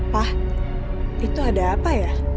pak itu ada apa ya